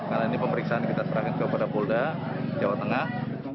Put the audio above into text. karena ini pemeriksaan kita serahkan kepada polda jawa tengah